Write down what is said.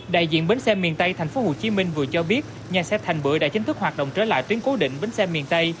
đại diện bến xe miền tây tp hcm vừa cho biết nhà xe thành bưởi đã chính thức hoạt động trở lại tuyến cố định bến xe miền tây